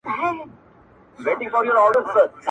مُلا کوټوال وي مُلا ډاکتر وي -